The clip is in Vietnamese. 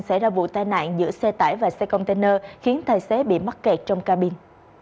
xảy ra vụ tai nạn giữa xe tải và xe container khiến tài xế bị mắc kẹt trong cabin